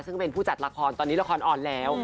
ซึ่งเป็นผู้จัดละครตอนนี้ละครอ่อนแล้ว